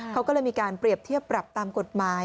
เขาก็เลยมีการเปรียบเทียบปรับตามกฎหมาย